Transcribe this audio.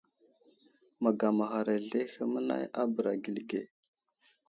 Məgamaghar azlehe mənay a bəra gəli ge.